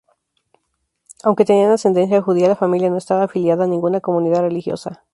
Aunque tenían ascendencia judía, la familia no estaba afiliada a ninguna comunidad religiosa.